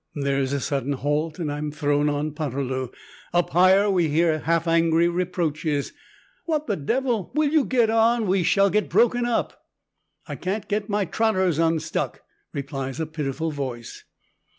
There is a sudden halt and I am thrown on Poterloo. Up higher we hear half angry reproaches "What the devil, will you get on? We shall get broken up!" "I can't get my trotters unstuck!" replies a pitiful voice.